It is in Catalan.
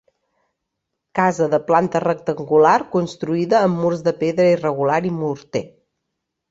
Casa de planta rectangular construïda amb murs de pedra irregular i morter.